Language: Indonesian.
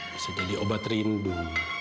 bisa jadi obat rindu